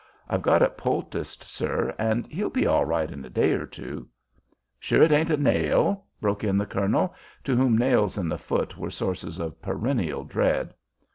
I've got it poulticed, sir, and he'll be all right in a day or two " "Sure it ain't a nail?" broke in the colonel, to whom nails in the foot were sources of perennial dread.